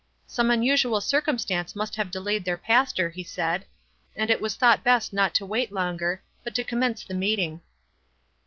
"Some unusual circum stance must have delayed their pastor," ho said, "and it was thought best not to wait longer, but to commence the meeting."